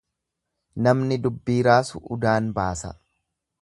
Namni dubbii raasu, udaan baasa.